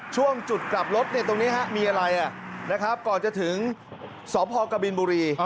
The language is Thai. ช่วงจุดกลับรถตรงนี้มีอะไรนะครับก่อนจะถึงสพกบินบุรี